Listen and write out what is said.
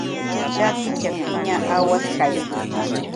Chaki chakiña awas kayan.